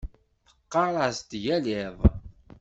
Teɣɣar-as-d yal iḍ.